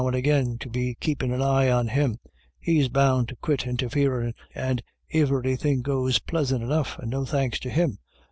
and agin, to be keepin' an eye on him, he's bound to quit interfering and iverythin' goes plisant enough, and no tftanks to him.